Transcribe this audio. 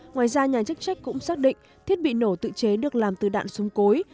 ngoài ra nhà chức trách cũng xác định thiết bị nổ tự chế được làm từ đạn súng cối